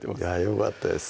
よかったです